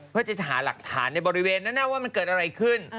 เพื่อจะหาหลักฐานในบริเวณนั้นว่ามันเกิดอะไรขึ้น